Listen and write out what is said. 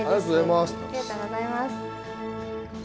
ありがとうございます。